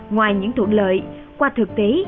ngoài những thuận lợi qua thực tế